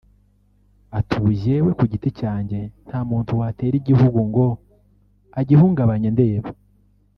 Ati”Ubu jyewe ku giti cyanjye nta muntu watera igihugu ngo agihungabanye ndeba